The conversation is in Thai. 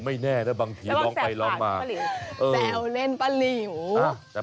ไม่แน่นะบางทีร้องไปร้องมาแี่วเล่นป้าหลิว